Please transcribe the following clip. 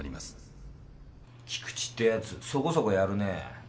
菊地ってやつそこそこやるねぇ。